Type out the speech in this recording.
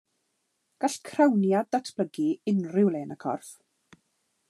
Gall crawniad ddatblygu unrhyw le yn y corff.